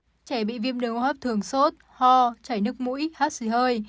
trẻ bị viêm đường hốp thường sốt ho chảy nước mũi hát suy hơi